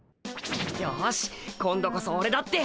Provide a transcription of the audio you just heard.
よし今度こそオレだって。